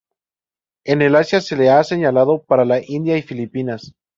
En el Asia se le ha señalado para la India y Filipinas.